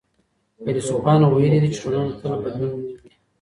فيلسوفانو ويلي دي چي ټولنه تل بدلون مومي.